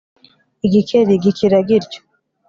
igikeri gikira gityo.